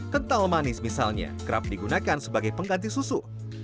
kental manis misalnya kerap digunakan sebagai pengganti susu